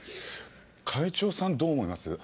会長さんどう思います？